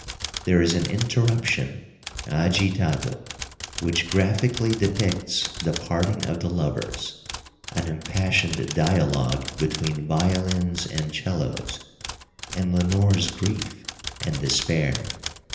There is an interruption (Agitato), "which graphically depicts the parting of the lovers [an impassioned dialogue between violins and 'cellos] and Lenore's grief and despair."